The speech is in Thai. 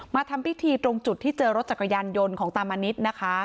ทำพิธีตรงจุดที่เจอรถจักรยานยนต์ของตามนิษฐ์นะคะ